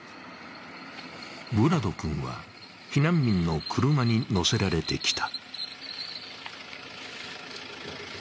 ヴラド君は避難民の車に乗せられてきた。